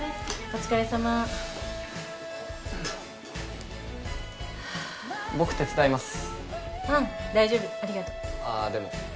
お疲れさまです。